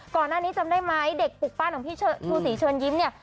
ก่อนหน้านี้จำได้ไหมเด็กปลูกปั้นของพี่ชูศรีเชิญยิ้มเนี่ย